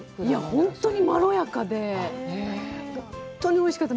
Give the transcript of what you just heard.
本当にまろやかで、本当においしかった。